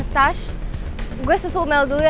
touch gue susul mel dulu ya